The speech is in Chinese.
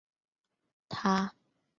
他是我父亲